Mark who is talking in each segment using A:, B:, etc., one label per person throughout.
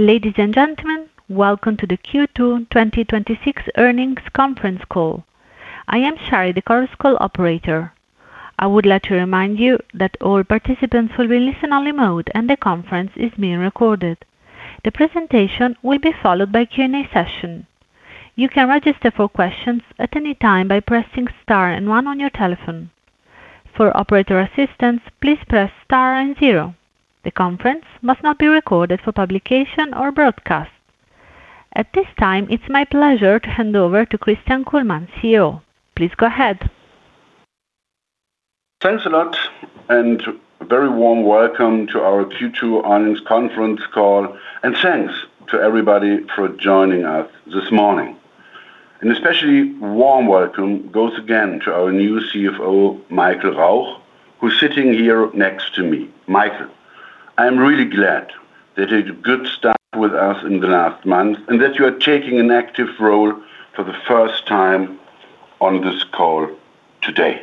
A: Ladies and gentlemen, welcome to the Q2 2026 earnings conference call. I am Shari, the conference call operator. I would like to remind you that all participants will be in listen-only mode, and the conference is being recorded. The presentation will be followed by a Q&A session. You can register for questions at any time by pressing star and one on your telephone. For operator assistance, please press star and zero. The conference must not be recorded for publication or broadcast. At this time, it's my pleasure to hand over to Christian Kullmann, CEO. Please go ahead.
B: Thanks a lot, and a very warm welcome to our Q2 earnings conference call, and thanks to everybody for joining us this morning. An especially warm welcome goes again to our new CFO, Michael Rauch, who's sitting here next to me. Michael, I'm really glad that you did a good start with us in the last month and that you are taking an active role for the first time on this call today.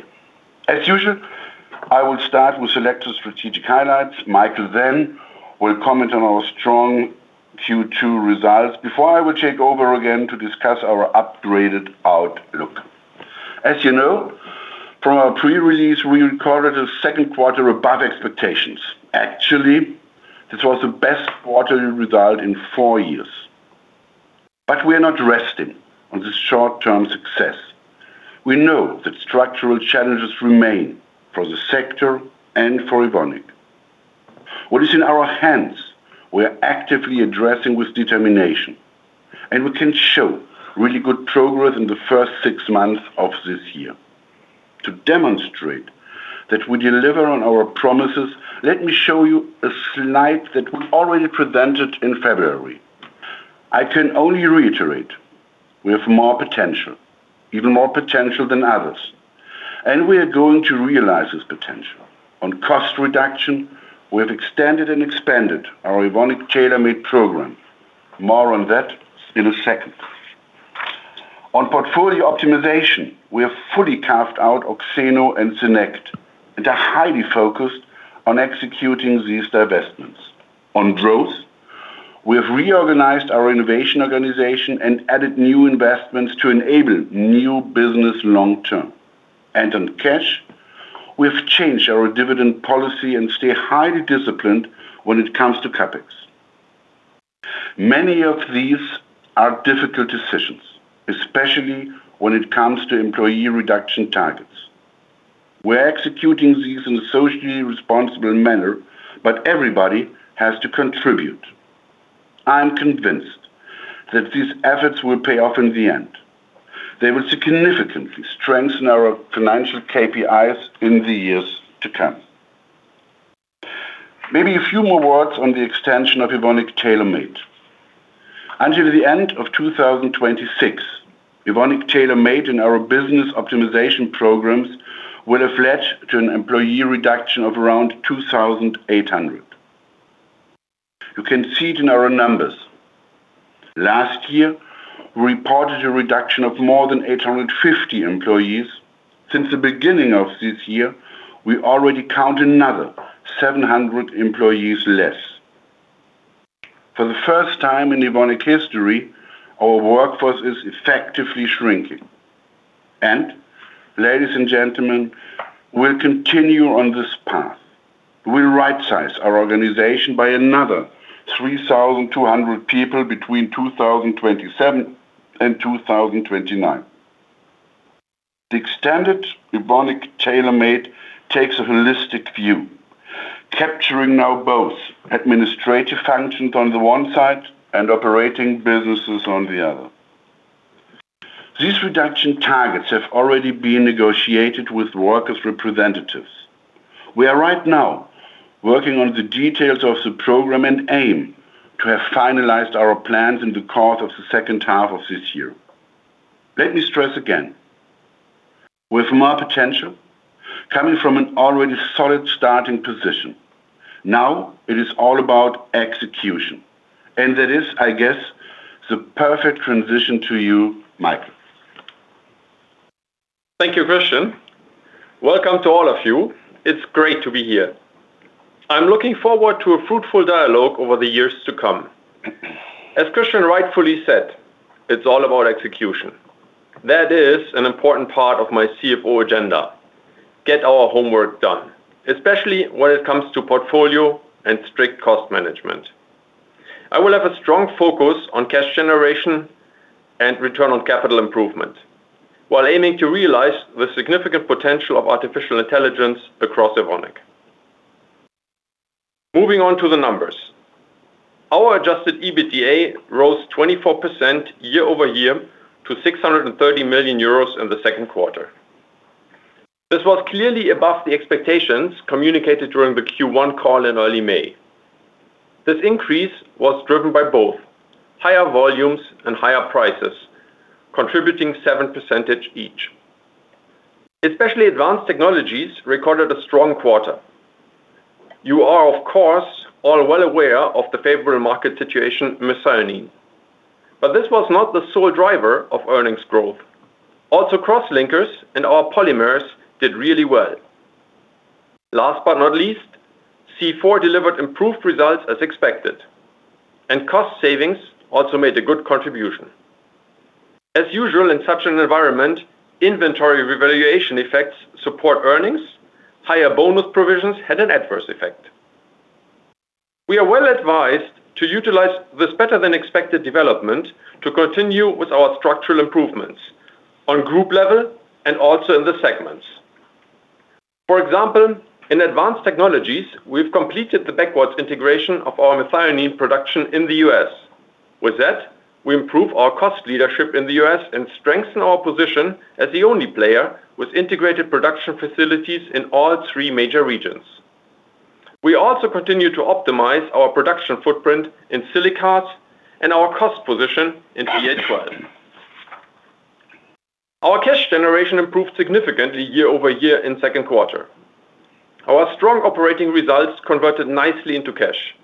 B: As usual, I will start with selected strategic highlights. Michael then will comment on our strong Q2 results before I will take over again to discuss our upgraded outlook. We recorded the second quarter above expectations. Actually, this was the best quarter result in four years. We are not resting on this short-term success. We know that structural challenges remain for the sector and for Evonik. What is in our hands, we are actively addressing with determination, and we can show really good progress in the first six months of this year. To demonstrate that we deliver on our promises, let me show you a slide that we already presented in February. I can only reiterate, we have more potential, even more potential than others, and we are going to realize this potential. On cost reduction, we have extended and expanded our Evonik Tailor Made program. More on that in a second. On portfolio optimization, we have fully carved out Oxeno and SYNEQT and are highly focused on executing these divestments. On growth, we have reorganized our innovation organization and added new investments to enable new business long term. On cash, we've changed our dividend policy and stay highly disciplined when it comes to CapEx. Many of these are difficult decisions, especially when it comes to employee reduction targets. We're executing these in a socially responsible manner, but everybody has to contribute. I'm convinced that these efforts will pay off in the end. They will significantly strengthen our financial KPIs in the years to come. A few more words on the extension of Evonik Tailor Made. Until the end of 2026, Evonik Tailor Made and our business optimization programs will have led to an employee reduction of around 2,800. You can see it in our numbers. Last year, we reported a reduction of more than 850 employees. Since the beginning of this year, we already count another 700 employees less. For the first time in Evonik history, our workforce is effectively shrinking. Ladies and gentlemen, we'll continue on this path. We'll rightsize our organization by another 3,200 people between 2027 and 2029. The extended Evonik Tailor Made takes a holistic view, capturing now both administrative functions on the one side and operating businesses on the other. These reduction targets have already been negotiated with workers' representatives. We are right now working on the details of the program and aim to have finalized our plans in the course of the second half of this year. Let me stress again, we have more potential coming from an already solid starting position. Now it is all about execution, and that is, I guess, the perfect transition to you, Michael.
C: Thank you, Christian. Welcome to all of you. It is great to be here. I am looking forward to a fruitful dialogue over the years to come. As Christian rightfully said, it is all about execution. That is an important part of my CFO agenda. Get our homework done, especially when it comes to portfolio and strict cost management. I will have a strong focus on cash generation and return on capital improvement while aiming to realize the significant potential of artificial intelligence across Evonik. Moving on to the numbers. Our adjusted EBITDA rose 24% year-over-year to 630 million euros in the second quarter. This was clearly above the expectations communicated during the Q1 call in early May. This increase was driven by both higher volumes and higher prices contributing 7% each. Especially Advanced Technologies recorded a strong quarter. You are, of course, all well aware of the favorable market situation with silane, but this was not the sole driver of earnings growth. Crosslinkers and our polymers did really well. Last but not least, C4 delivered improved results as expected, and cost savings also made a good contribution. As usual in such an environment, inventory revaluation effects support earnings, higher bonus provisions had an adverse effect. We are well advised to utilize this better than expected development to continue with our structural improvements on group level and also in the segments. For example, in Advanced Technologies, we have completed the backwards integration of our methionine production in the U.S. With that, we improve our cost leadership in the U.S. and strengthen our position as the only player with integrated production facilities in all three major regions. We also continue to optimize our production footprint in silicas and our cost position in. [inaudible] Our cash generation improved significantly year-over-year in second quarter. Our strong operating results converted nicely into cash.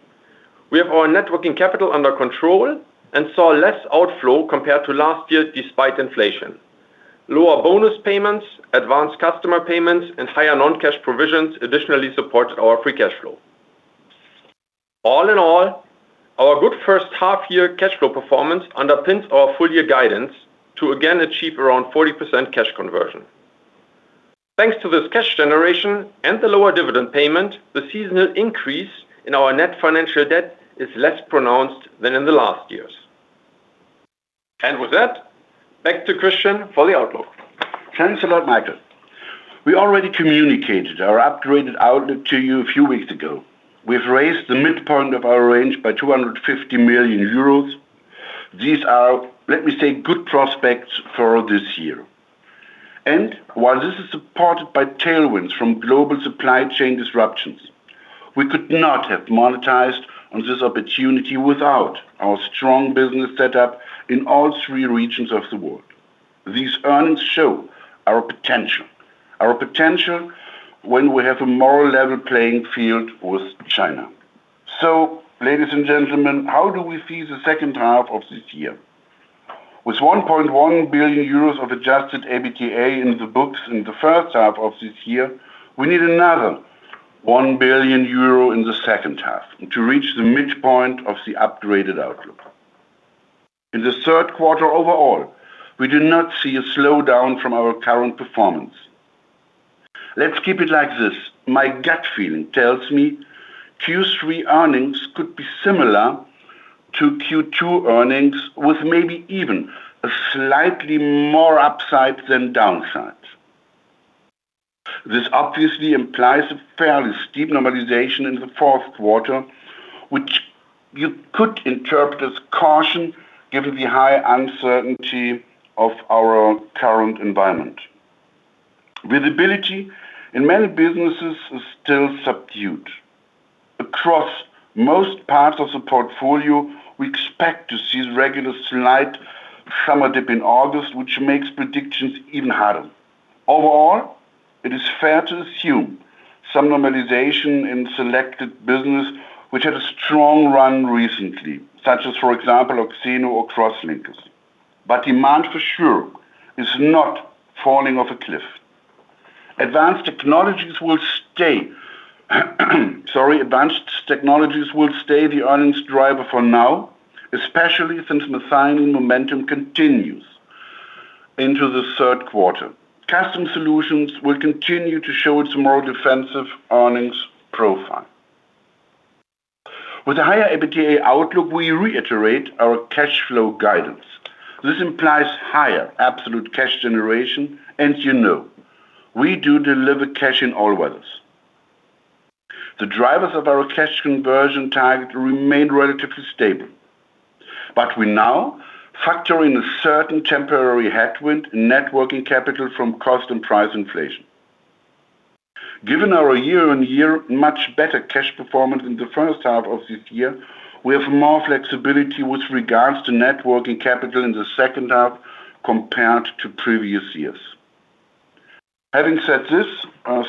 C: We have our net working capital under control and saw less outflow compared to last year despite inflation. Lower bonus payments, advanced customer payments, and higher non-cash provisions additionally support our free cash flow. All in all, our good first half year cash flow performance underpins our full year guidance to again achieve around 40% cash conversion. Thanks to this cash generation and the lower dividend payment, the seasonal increase in our net financial debt is less pronounced than in the last years. With that, back to Christian for the outlook.
B: Thanks a lot, Michael. We already communicated our upgraded outlook to you a few weeks ago. We've raised the midpoint of our range by 250 million euros. These are, let me say, good prospects for this year. While this is supported by tailwinds from global supply chain disruptions, we could not have monetized on this opportunity without our strong business setup in all three regions of the world. These earnings show our potential, our potential when we have a more level playing field with China. Ladies and gentlemen, how do we see the second half of this year? With 1.1 billion euros of adjusted EBITDA in the books in the first half of this year, we need another 1 billion euro in the second half to reach the midpoint of the upgraded outlook. In the third quarter overall, we do not see a slowdown from our current performance. Let's keep it like this. My gut feeling tells me Q3 earnings could be similar to Q2 earnings, with maybe even a slightly more upside than downside. This obviously implies a fairly steep normalization in the fourth quarter, which you could interpret as caution given the high uncertainty of our current environment. Visibility in many businesses is still subdued. Across most parts of the portfolio, we expect to see the regular slight summer dip in August, which makes predictions even harder. Overall, it is fair to assume some normalization in selected business, which had a strong run recently, such as, for example, Oxeno or Crosslinkers. Demand for sure is not falling off a cliff. Advanced Technologies will stay the earnings driver for now, especially since methionine momentum continues into the third quarter. Custom Solutions will continue to show its more defensive earnings profile. With a higher EBITDA outlook, we reiterate our cash flow guidance. This implies higher absolute cash generation. You know we do deliver cash in all weathers. The drivers of our cash conversion target remain relatively stable, but we now factor in a certain temporary headwind in net working capital from cost and price inflation. Given our year-on-year much better cash performance in the first half of this year, we have more flexibility with regards to net working capital in the second half compared to previous years. Having said this,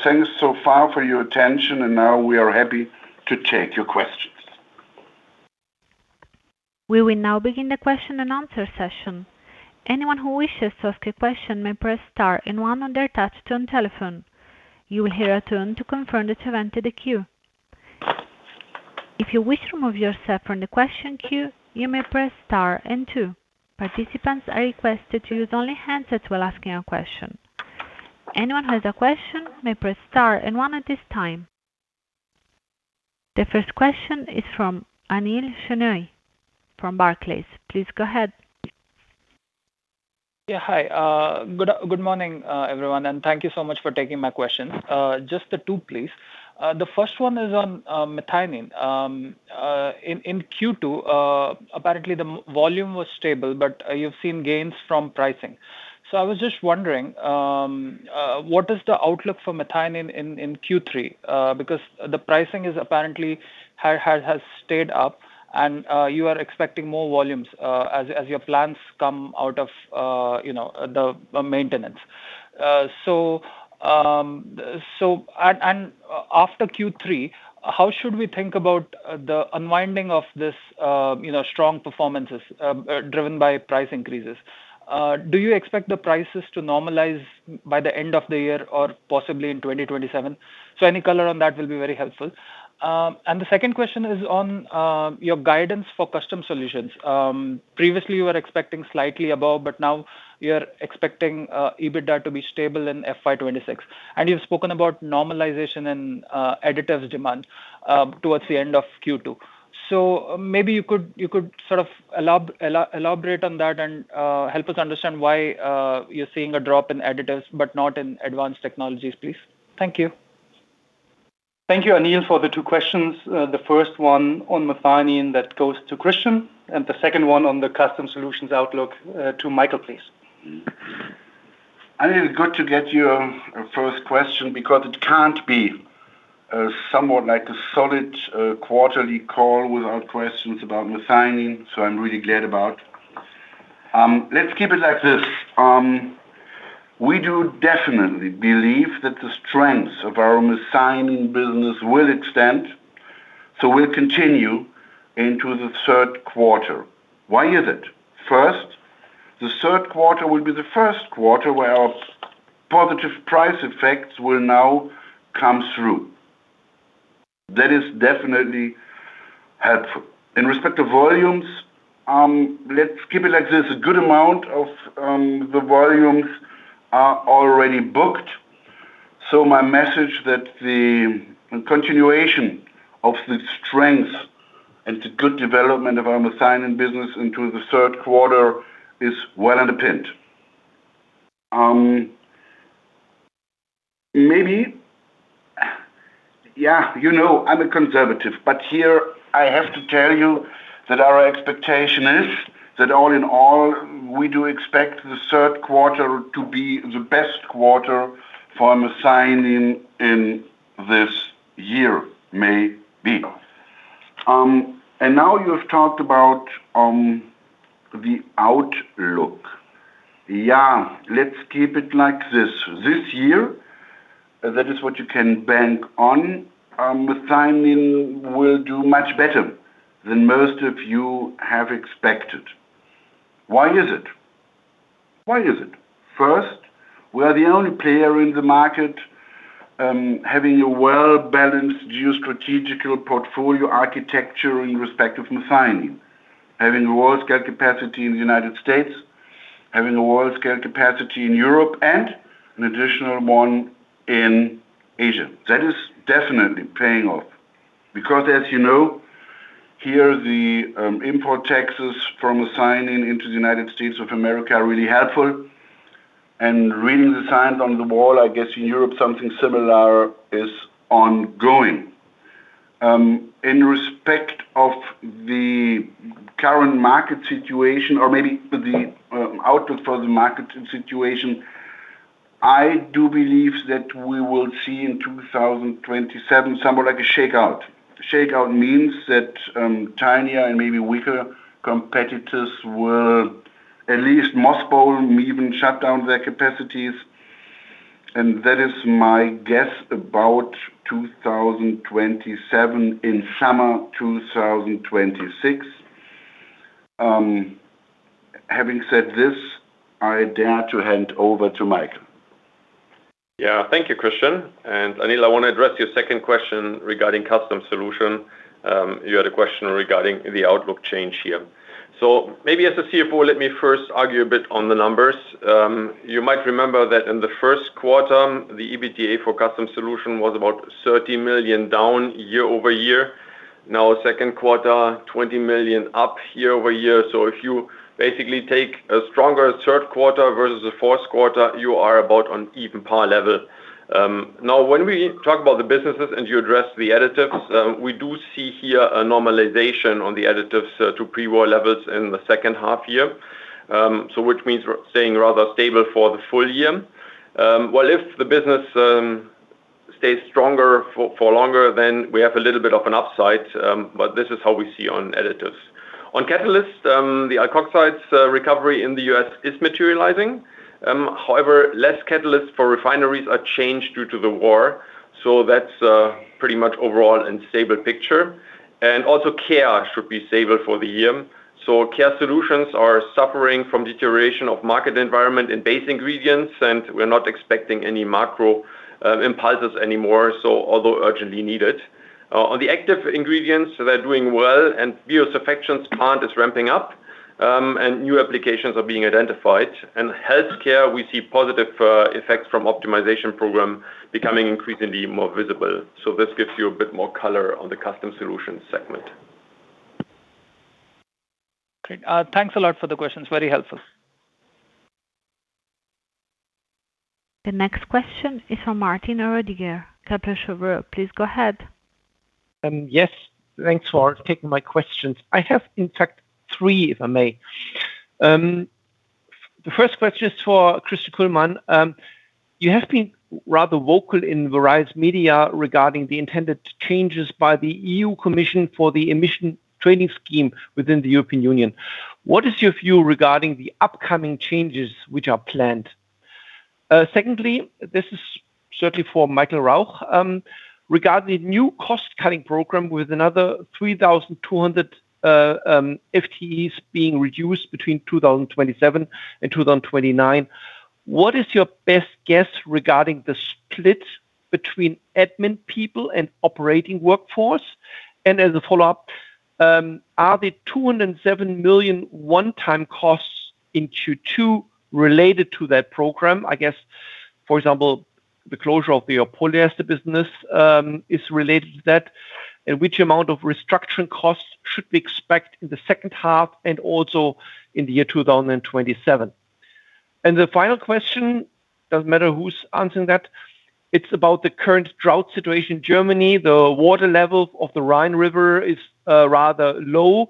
B: thanks so far for your attention. Now we are happy to take your questions.
A: We will now begin the question and answer session. Anyone who wishes to ask a question may press star and one on their touch-tone telephone. You will hear a tune to confirm that you have entered the queue. If you wish to remove yourself from the question queue, you may press star and two. Participants are requested to use only handsets while asking a question. Anyone who has a question may press star and one at this time. The first question is from Anil Shenoy from Barclays. Please go ahead.
D: Hi, good morning, everyone, and thank you so much for taking my questions. Just the two, please. The first one is on methionine. In Q2, apparently the volume was stable, but you've seen gains from pricing. I was just wondering, what is the outlook for methionine in Q3? Because the pricing apparently has stayed up and you are expecting more volumes as your plans come out of the maintenance. After Q3, how should we think about the unwinding of this strong performances driven by price increases? Do you expect the prices to normalize by the end of the year or possibly in 2027? Any color on that will be very helpful. The second question is on your guidance for Custom Solutions. Previously, you were expecting slightly above, but now you're expecting EBITDA to be stable in FY 2026. You've spoken about normalization in additives demand towards the end of Q2. Maybe you could elaborate on that and help us understand why you're seeing a drop in additives, but not in Advanced Technologies, please. Thank you.
E: Thank you, Anil, for the two questions. The first one on methionine that goes to Christian, and the second one on the Custom Solutions outlook to Michael, please.
B: Anil, good to get your first question because it can't be somewhat like a solid quarterly call without questions about methionine, so I'm really glad about. Let's keep it like this. We do definitely believe that the strengths of our methionine business will extend, so will continue into the third quarter. Why is it? First, the third quarter will be the first quarter where our positive price effects will now come through. That is definitely helpful. In respect to volumes, let's keep it like this. A good amount of the volumes are already booked, so my message that the continuation of the strength and the good development of our methionine business into the third quarter is well underpinned. Maybe, I'm a conservative, but here I have to tell you that our expectation is that all in all, we do expect the third quarter to be the best quarter for methionine in this year. Maybe. Now you've talked about the outlook. Yeah, let's keep it like this. This year, that is what you can bank on, methionine will do much better than most of you have expected. Why is it? First, we are the only player in the market, having a well-balanced geostrategical portfolio architecture in respect of methionine. Having a world-scale capacity in the United States, having a world-scale capacity in Europe, and an additional one in Asia. That is definitely paying off because as you know, here, the import taxes for methionine into the United States of America are really helpful and reading the signs on the wall, I guess in Europe, something similar is ongoing. In respect of the current market situation or maybe the outlook for the market situation, I do believe that we will see in 2027 somewhat like a shakeout. A shakeout means that tinier and maybe weaker competitors will at least mothball, maybe even shut down their capacities, and that is my guess about 2027 in summer 2026. Having said this, I dare to hand over to Michael.
C: Yeah. Thank you, Christian. Anil, I want to address your second question regarding Custom Solutions. You had a question regarding the outlook change here. Maybe as a CFO, let me first argue a bit on the numbers. You might remember that in the first quarter, the EBITDA for Custom Solutions was about 30 million down year-over-year. Now our second quarter, 20 million up year-over-year. If you basically take a stronger third quarter versus the fourth quarter, you are about on even par level. Now, when we talk about the businesses and you address the additives, we do see here a normalization on the additives to pre-war levels in the second half-year, which means we're staying rather stable for the full year. Well, if the business stays stronger for longer, then we have a little bit of an upside, but this is how we see on additives. On catalysts, the alkoxides recovery in the U.S. is materializing. However, less catalysts for refineries are changed due to the war, that's pretty much overall a stable picture. Also care should be stable for the year. Care solutions are suffering from deterioration of market environment and base ingredients, and we're not expecting any macro impulses anymore, although urgently needed. On the active ingredients, they're doing well and biosurfactants plant is ramping up, and new applications are being identified. In healthcare, we see positive effects from optimization program becoming increasingly more visible. This gives you a bit more color on the Custom Solutions segment.
D: Great. Thanks a lot for the questions. Very helpful.
A: The next question is from Martin Roediger, Kepler Cheuvreux. Please go ahead.
F: Yes. Thanks for taking my questions. I have in fact three, if I may. The first question is for Chris Kullmann. You have been rather vocal in various media regarding the intended changes by the EU Commission for the Emission Trading Scheme within the European Union. What is your view regarding the upcoming changes which are planned? Secondly, this is certainly for Michael Rauch. Regarding the new cost-cutting program with another 3,200 FTEs being reduced between 2027 and 2029? What is your best guess regarding the split between admin people and operating workforce? As a follow-up, are the 207 million one-time costs in Q2 related to that program? I guess, for example, the closure of your polyester business is related to that. Which amount of restructuring costs should we expect in the second half and also in the year 2027? The final question, doesn't matter who's answering that, it's about the current drought situation in Germany. The water level of the Rhine River is rather low.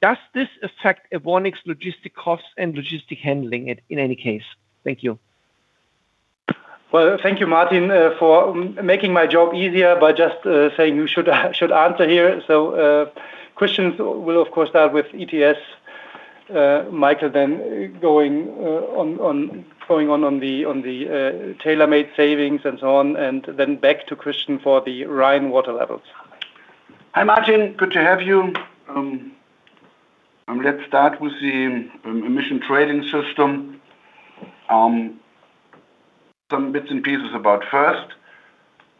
F: Does this affect Evonik's logistic costs and logistic handling in any case? Thank you.
E: Well, thank you, Martin, for making my job easier by just saying who should answer here. Christian will, of course, start with ETS, Michael going on the Tailor-Made savings and so on, and then back to Christian for the Rhine water levels.
B: Hi, Martin. Good to have you. Let's start with the Emission Trading System. Some bits and pieces about first.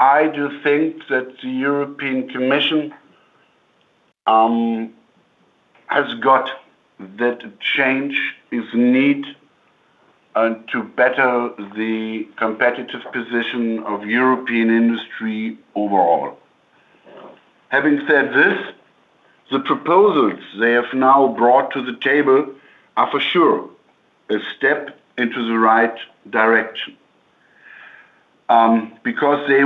B: I do think that the European Commission has got that change is need to better the competitive position of European industry overall. Having said this, the proposals they have now brought to the table are for sure a step into the right direction. They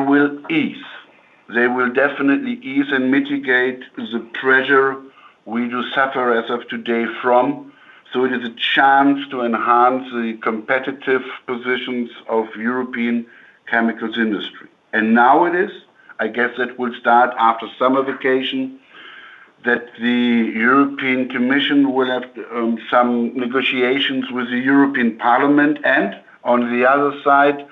B: will definitely ease and mitigate the pressure we do suffer as of today from. It is a chance to enhance the competitive positions of European chemicals industry. Now it is, I guess, that will start after summer vacation, that the European Commission will have some negotiations with the European Parliament and, on the other side,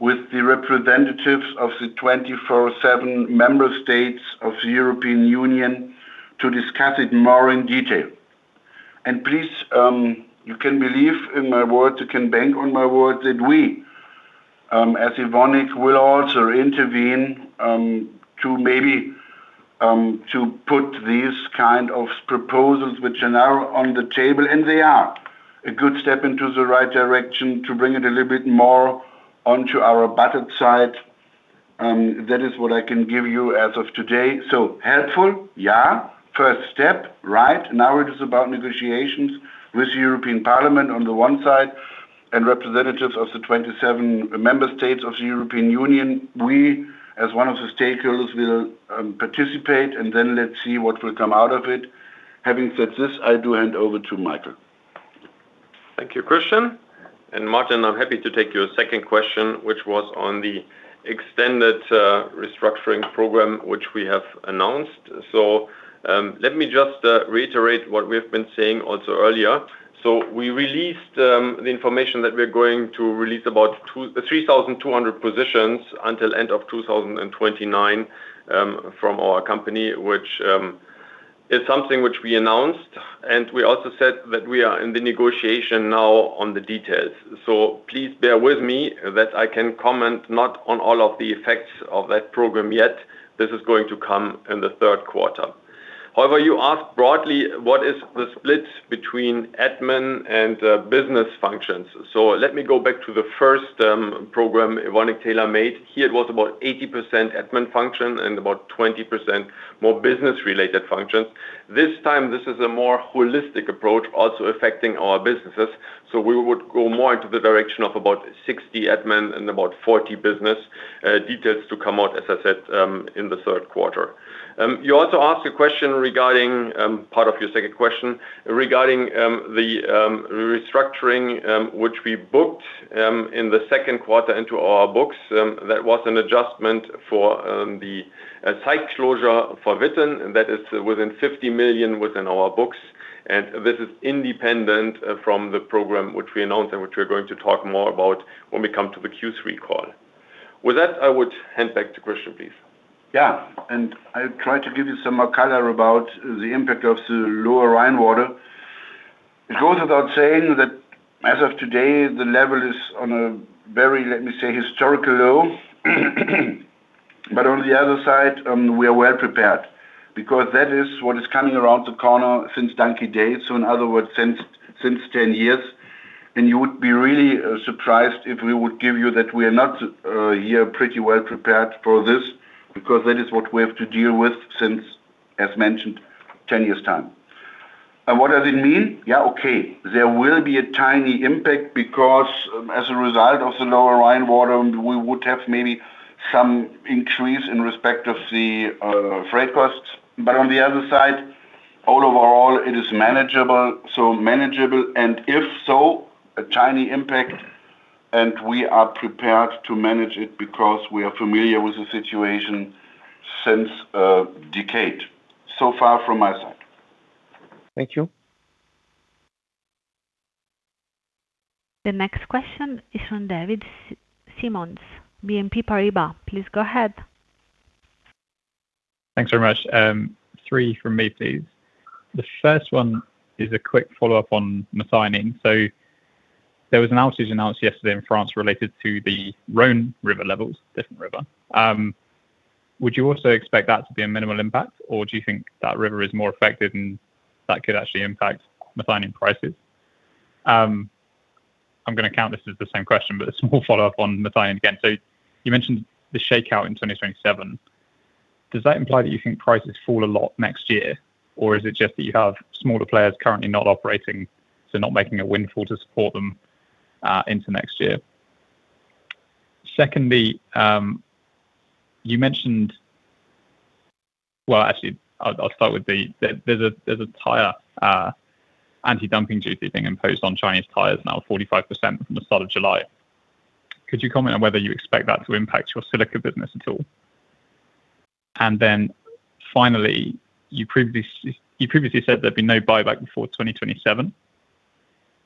B: with the representatives of the 27 member states of the European Union to discuss it more in detail. Please, you can believe in my word, you can bank on my word that we, as Evonik, will also intervene to maybe put these kind of proposals, which are now on the table, and they are a good step into the right direction to bring it a little bit more onto our battered side. That is what I can give you as of today. Helpful, yeah. First step, right. Now it is about negotiations with European Parliament on the one side and representatives of the 27 member states of the European Union. We, as one of the stakeholders, will participate, let's see what will come out of it. Having said this, I do hand over to Michael.
C: Thank you, Christian. Martin, I'm happy to take your second question, which was on the extended restructuring program, which we have announced. Let me just reiterate what we've been saying also earlier. We released the information that we're going to release about 3,200 positions until end of 2029 from our company, which is something which we announced, and we also said that we are in the negotiation now on the details. Please bear with me that I can comment not on all of the effects of that program yet. This is going to come in the third quarter. However, you asked broadly what is the split between admin and business functions. Let me go back to the first program, Evonik Tailor Made. Here it was about 80% admin function and about 20% more business-related functions. This time, this is a more holistic approach, also affecting our businesses. We would go more into the direction of about 60 admin and about 40 business. Details to come out, as I said, in the third quarter. You also asked a question regarding, part of your second question, regarding the restructuring, which we booked in the second quarter into our books. That was an adjustment for the site closure for Witten, that is within 50 million within our books. This is independent from the program which we announced and which we're going to talk more about when we come to the Q3 call. With that, I would hand back to Christian, please.
B: I try to give you some more color about the impact of the lower Rhine water. It goes without saying that as of today, the level is on a very, let me say, historical low. On the other side, we are well-prepared because that is what is coming around the corner since [dry days]. In other words, since 10 years. You would be really surprised if we would give you that we are not here pretty well-prepared for this, because that is what we have to deal with since, as mentioned, 10 years' time. What does it mean? There will be a tiny impact because as a result of the lower Rhine water, we would have maybe some increase in respect of the freight costs. On the other side, all overall, it is manageable. Manageable, and if so, a tiny impact, and we are prepared to manage it because we are familiar with the situation since a decade. Far from my side.
F: Thank you.
A: The next question is from David Symonds, BNP Paribas. Please go ahead.
G: Thanks very much. Three from me, please. The first one is a quick follow-up on methionine. There was an outage announced yesterday in France related to the Rhône River levels, different river. Would you also expect that to be a minimal impact, or do you think that river is more affected and that could actually impact methionine prices? I'm going to count this as the same question, but a small follow-up on methionine again. You mentioned the shakeout in 2027. Does that imply that you think prices fall a lot next year, or is it just that you have smaller players currently not operating, not making a windfall to support them into next year? Secondly, there's a tire anti-dumping duty thing imposed on Chinese tires now 45% from the start of July. Could you comment on whether you expect that to impact your silica business at all? Finally, you previously said there'd be no buyback before 2027,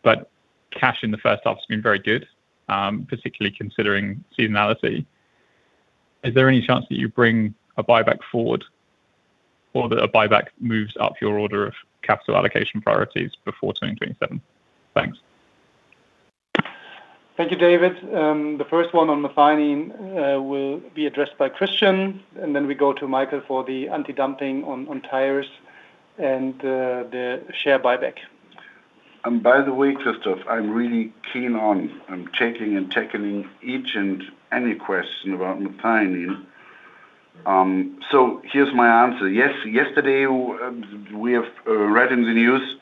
G: but cash in the first half has been very good, particularly considering seasonality. Is there any chance that you bring a buyback forward or that a buyback moves up your order of capital allocation priorities before 2027? Thanks.
E: Thank you, David. The first one on methionine will be addressed by Christian, and then we go to Michael for the anti-dumping on tires and the share buyback.
B: Christoph, I'm really keen on, I'm checking and tackling each and any question about methionine. Here's my answer. Yes, yesterday, we have read in the news,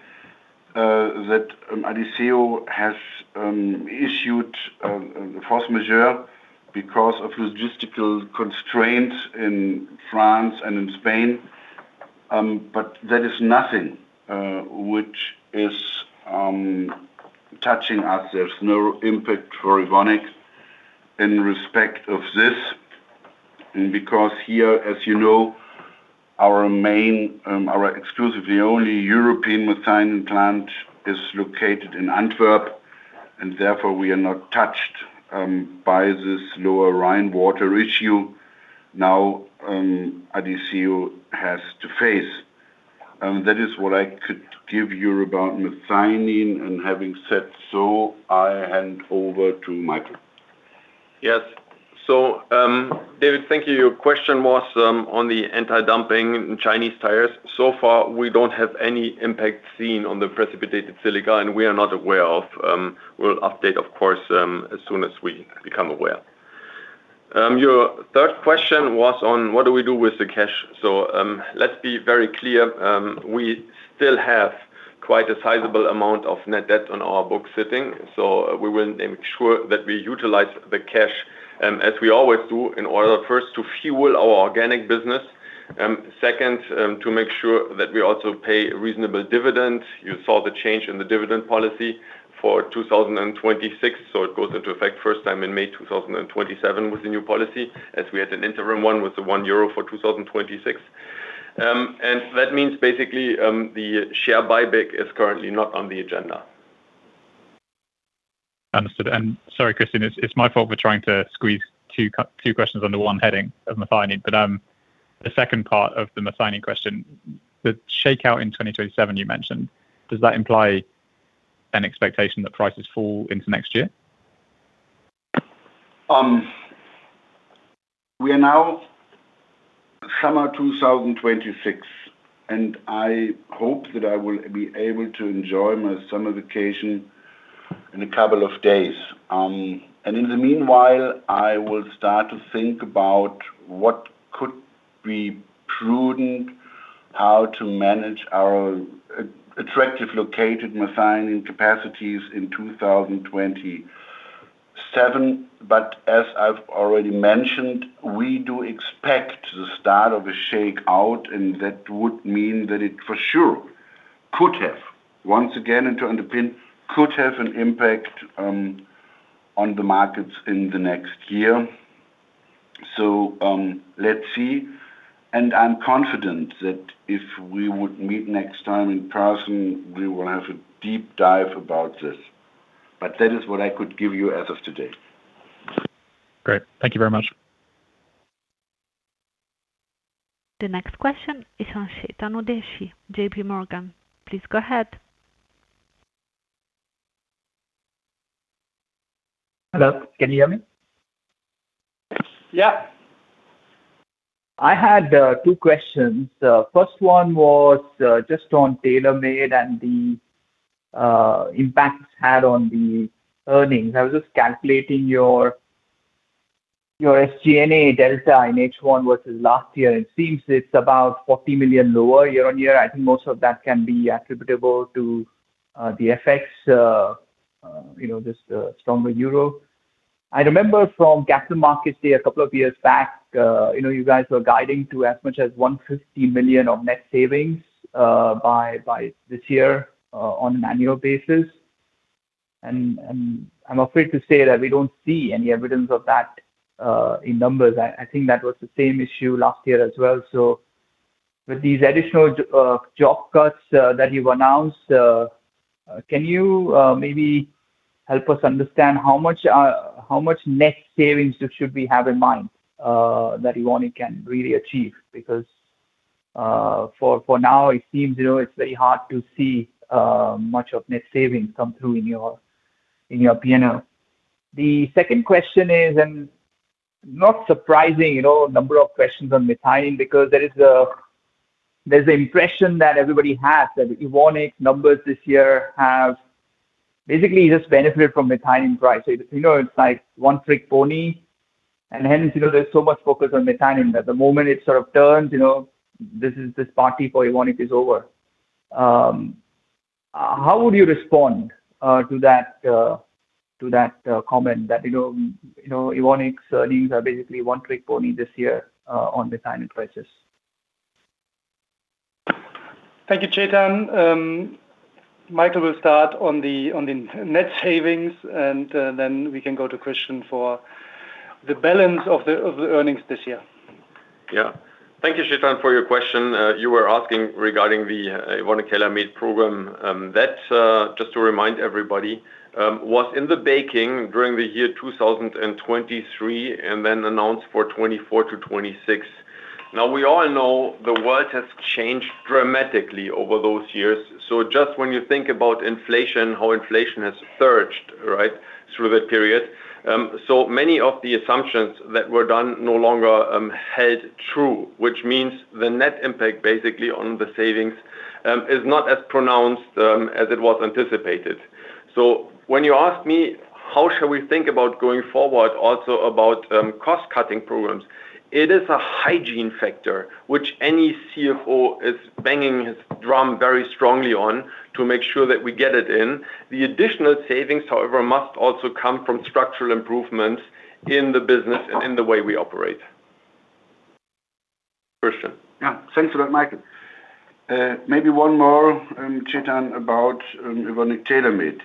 B: that Adisseo has issued force majeure because of logistical constraints in France and in Spain. That is nothing, which is touching us. There's no impact for Evonik in respect of this. Because here, as you know, our exclusively only European methionine plant is located in Antwerp, therefore we are not touched by this lower Rhine water issue now Adisseo has to face. That is what I could give you about methionine. Having said so, I hand over to Michael.
C: Yes. David, thank you. Your question was on the anti-dumping Chinese tires. Far, we don't have any impact seen on the precipitated silica, and we are not aware of. We'll update, of course, as soon as we become aware. Your third question was on what do we do with the cash. Let's be very clear. We still have quite a sizable amount of net debt on our books sitting, we will make sure that we utilize the cash, as we always do, in order first to fuel our organic business. Second, to make sure that we also pay a reasonable dividend. You saw the change in the dividend policy for 2026, it goes into effect first time in May 2027 with the new policy, as we had an interim one with 1 euro for 2026. That means basically, the share buyback is currently not on the agenda.
G: Understood. Sorry, Christian, it's my fault for trying to squeeze two questions under one heading of methionine. The second part of the methionine question, the shakeout in 2027 you mentioned, does that imply an expectation that prices fall into next year?
B: We are now summer 2026, I hope that I will be able to enjoy my summer vacation in a couple of days. In the meanwhile, I will start to think about what could be prudent, how to manage our attractively located methionine capacities in 2027. As I've already mentioned, we do expect the start of a shakeout, that would mean that it for sure could have, once again, and to underpin, could have an impact on the markets in the next year. Let's see. I'm confident that if we would meet next time in person, we will have a deep dive about this. That is what I could give you as of today.
G: Great. Thank you very much.
A: The next question is from Chetan Udeshi, JPMorgan. Please go ahead.
H: Hello, can you hear me?
E: Yeah.
H: I had two questions. First one was just on Tailor Made and the impacts had on the earnings. I was just calculating your SG&A delta in H1 versus last year, and it seems it's about 40 million lower year-on-year. I think most of that can be attributable to the effects, just a stronger euro. I remember from Capital Markets Day a couple of years back, you guys were guiding to as much as 150 million of net savings by this year on an annual basis. I'm afraid to say that we don't see any evidence of that, in numbers. I think that was the same issue last year as well. With these additional job cuts that you've announced, can you maybe help us understand how much net savings should we have in mind that Evonik can really achieve. For now, it seems it's very hard to see much of net savings come through in your P&L. The second question is, and not surprising, number of questions on methionine, because there's the impression that everybody has that Evonik numbers this year have basically just benefited from methionine price. It's like one trick pony, and hence there's so much focus on methionine that the moment it sort of turns, this party for Evonik is over. How would you respond to that comment that Evonik's earnings are basically one trick pony this year on methionine prices?
E: Thank you, Chetan. Michael will start on the net savings, and then we can go to Christian for the balance of the earnings this year.
C: Thank you, Chetan, for your question. You were asking regarding the Evonik Tailor Made program. That, just to remind everybody, was in the baking during the year 2023 and then announced for 2024 to 2026. We all know the world has changed dramatically over those years. Just when you think about inflation, how inflation has surged, right, through that period. Many of the assumptions that were done no longer held true, which means the net impact basically on the savings is not as pronounced as it was anticipated. When you ask me, how shall we think about going forward also about cost-cutting programs, it is a hygiene factor, which any CFO is banging his drum very strongly on to make sure that we get it in. The additional savings, however, must also come from structural improvements in the business and in the way we operate. Christian.
B: Yeah. Thanks for that, Michael. Maybe one more, Chetan, about Evonik Tailor Made.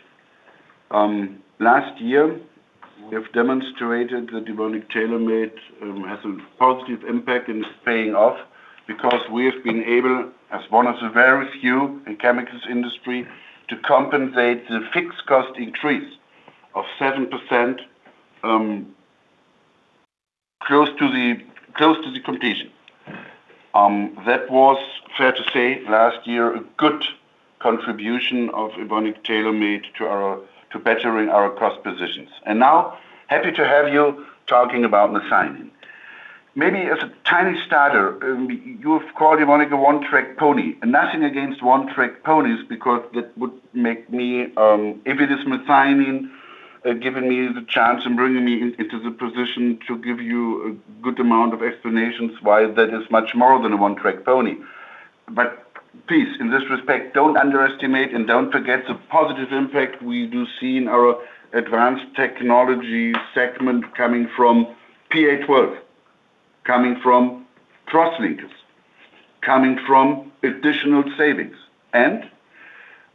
B: Last year, we have demonstrated that Evonik Tailor Made has a positive impact and is paying off because we have been able, as one of the very few in chemicals industry, to compensate the fixed cost increase of 7% close to the completion. That was fair to say last year, a good contribution of Evonik Tailor Made to bettering our cost positions. Now, happy to have you talking about methionine. Maybe as a tiny starter, you've called Evonik a one-trick pony, and nothing against one-trick ponies, because that would make me, if it is methionine giving me the chance and bringing me into the position to give you a good amount of explanations why that is much more than a one-trick pony. Please, in this respect, don't underestimate and don't forget the positive impact we do see in our Advanced Technologies segment coming from PA12, coming from Crosslinkers, coming from additional savings.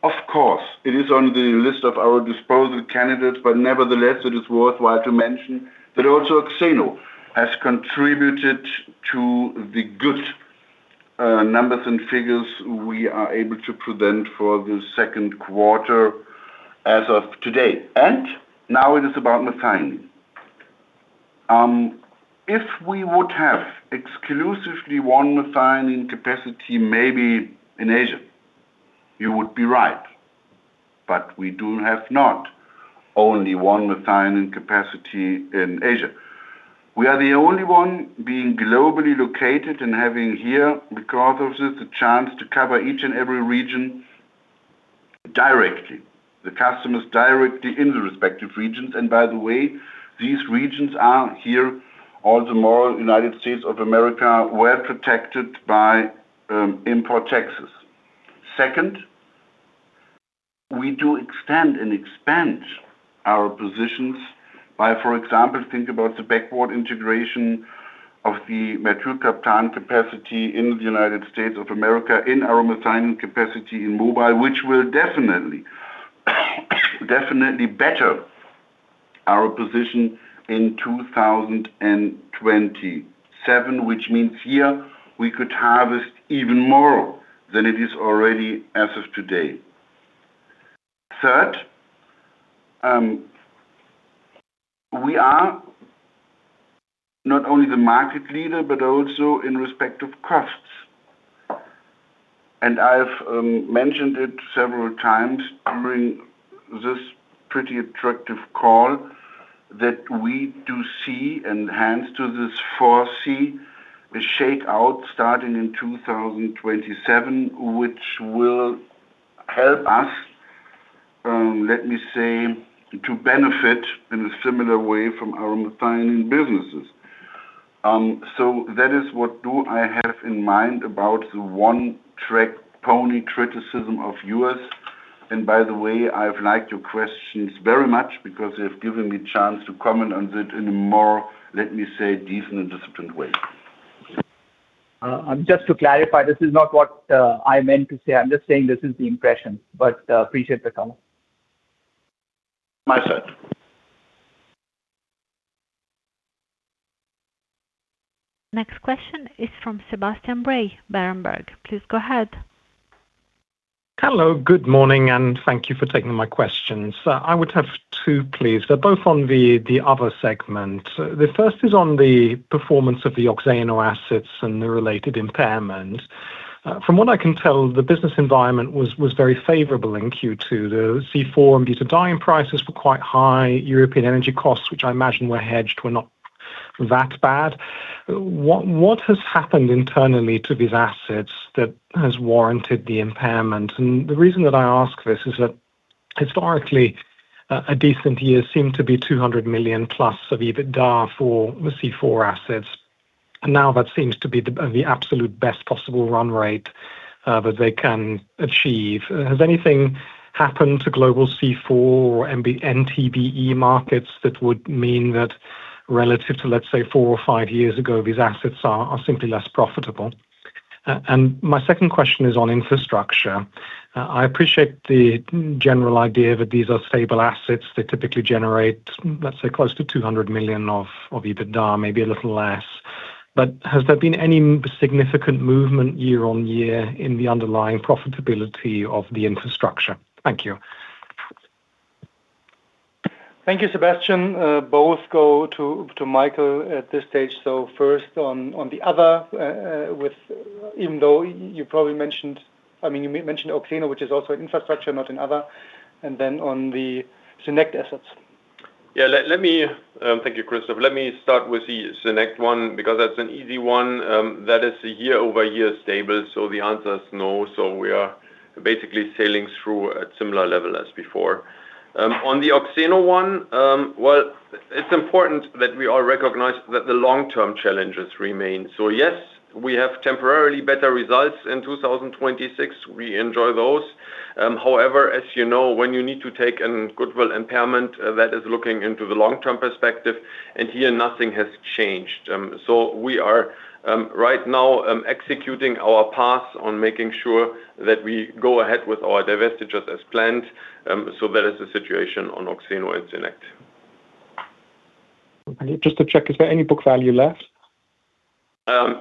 B: Of course, it is on the list of our disposal candidates, but nevertheless, it is worthwhile to mention that also Oxeno has contributed to the good numbers and figures we are able to present for the second quarter as of today. Now it is about methionine. If we would have exclusively one methionine capacity maybe in Asia, you would be right. We do have not only one methionine capacity in Asia. We are the only one being globally located and having here, because of this, the chance to cover each and every region directly, the customers directly in the respective regions. By the way, these regions are here all the more United States of America, well protected by import taxes. Second, we do extend and expand our positions by, for example, think about the backward integration of the methyl mercaptan capacity in the United States of America, in our methionine capacity in Mobile, which will definitely better our position in 2027, which means here we could harvest even more than it is already as of today. Third, we are not only the market leader, but also in respect of costs. I've mentioned it several times during this pretty attractive call that we do see, and hence to this foresee, a shakeout starting in 2027, which will help us, let me say, to benefit in a similar way from our methionine businesses. That is what do I have in mind about the one-trick pony criticism of yours. By the way, I've liked your questions very much because they've given me a chance to comment on it in a more, let me say, decent and disciplined way.
H: Just to clarify, this is not what I meant to say. I'm just saying this is the impression, but appreciate the comment.
B: My side.
A: Next question is from Sebastian Bray, Berenberg. Please go ahead.
I: Hello. Good morning. Thank you for taking my questions. I would have two, please. They're both on the Other segment. The first is on the performance of the Oxeno assets and the related impairment. From what I can tell, the business environment was very favorable in Q2. The C4 and butadiene prices were quite high. European energy costs, which I imagine were hedged, were not that bad. What has happened internally to these assets that has warranted the impairment? The reason that I ask this is that historically, a decent year seemed to be 200+ million of EBITDA for the C4 assets. Now that seems to be the absolute best possible run rate that they can achieve. Has anything happened to global C4 or MTBE markets that would mean that relative to, let's say, four or five years ago, these assets are simply less profitable? My second question is on infrastructure. I appreciate the general idea that these are stable assets that typically generate, let's say, close to 200 million of EBITDA, maybe a little less. Has there been any significant movement year-on-year in the underlying profitability of the infrastructure? Thank you.
E: Thank you, Sebastian. Both go to Michael at this stage. First on the Other, even though you mentioned Oxeno, which is also infrastructure, not in Other, and then on the SYNEQT assets.
C: Thank you, Christoph. Let me start with the SYNEQT one, because that's an easy one. That is a year-over-year stable, so the answer is no. We are basically sailing through at similar level as before. On the Oxeno one, well, it's important that we all recognize that the long-term challenges remain. Yes, we have temporarily better results in 2026. We enjoy those. However, as you know, when you need to take a goodwill impairment, that is looking into the long-term perspective, and here nothing has changed. We are right now executing our path on making sure that we go ahead with our divestitures as planned. That is the situation on Oxeno and SYNEQT.
I: Okay. Just to check, is there any book value left?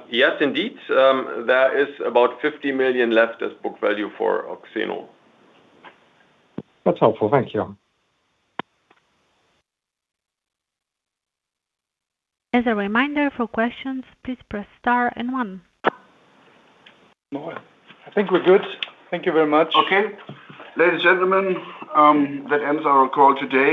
C: Yes, indeed. There is about 50 million left as book value for Oxeno.
I: That's helpful. Thank you.
A: As a reminder, for questions, please press star and one.
E: All right. I think we're good. Thank you very much.
B: Okay. Ladies and gentlemen, that ends our call today.